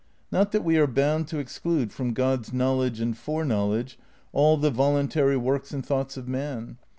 Not that we are bound to exclude from God's know ledge and foreknowledge all the voluntary works and thoughts of man.